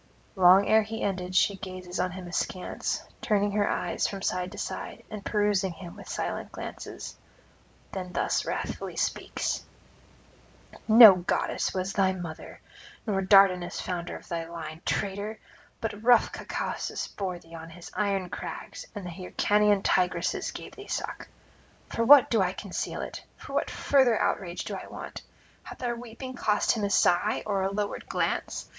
...' Long ere he ended she gazes on him askance, turning her eyes from side to side and perusing him with silent glances; then thus wrathfully speaks: 'No goddess was thy mother, nor Dardanus founder of thy line, traitor! but rough Caucasus bore thee on his iron crags, and Hyrcanian tigresses gave thee suck. For why do I conceal it? For what further outrage do I wait? [369 400]Hath our weeping cost him a sigh, or a lowered glance?